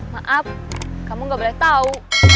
maap kamu gak boleh tau